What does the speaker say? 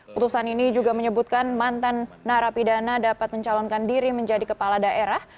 putusan ini juga menyebutkan mantan narapidana dapat mencalonkan diri menjadi kepala daerah